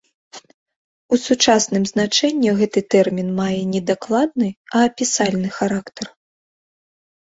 У сучасным значэнні гэты тэрмін мае не дакладны, а апісальны характар.